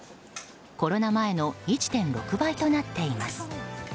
コロナ前の１．６倍となっています。